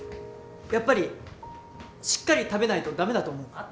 やっぱりしっかり食べないと駄目だと思う。